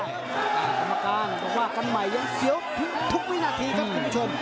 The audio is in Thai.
กรรมการบอกว่ากันใหม่ยังเสียวทุกวินาทีครับคุณผู้ชม